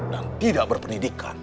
dan tidak berpendidikan